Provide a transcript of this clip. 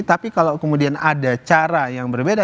tapi kalau kemudian ada cara yang berbeda